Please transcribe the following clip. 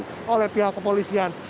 pemeriksaan oleh pihak kepolisian